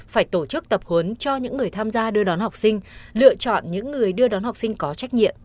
phải tổ chức tập huấn cho những người tham gia đưa đón học sinh lựa chọn những người đưa đón học sinh có trách nhiệm